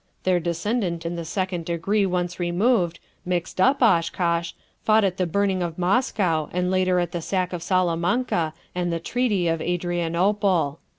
Their descendant in the second degree once removed, Mixtup Oshkosh, fought at the burning of Moscow and later at the sack of Salamanca and the treaty of Adrianople.